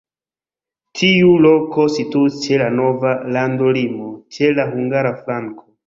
Tiu loko situis ĉe la nova landolimo, ĉe la hungara flanko.